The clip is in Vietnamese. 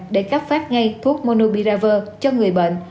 để cấp phát ngay thuốc monopiravir cho người bệnh